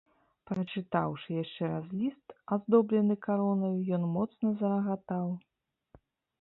Прачытаўшы яшчэ раз ліст, аздоблены каронаю, ён моцна зарагатаў.